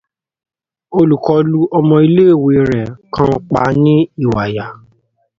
Olùkọ́ lu ọmọ ilé-ìwé rẹ̀ kan pa ní Ìwàyà.